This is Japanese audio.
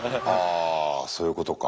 あそういうことか。